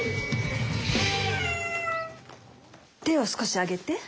手を少し上げて。